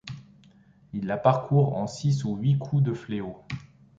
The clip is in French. Il la parcourt en six ou huit coups de fléau.